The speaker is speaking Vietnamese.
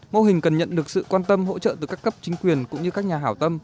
mô hình cần nhận được sự quan tâm hỗ trợ từ các cấp chính quyền cũng như các nhà hảo tâm